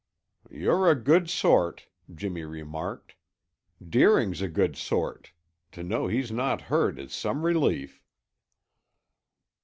"You're a good sort," Jimmy remarked. "Deering's a good sort. To know he's not hurt is some relief."